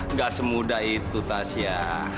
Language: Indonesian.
nggak semudah itu tasya